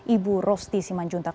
ibu rosti simanjuntak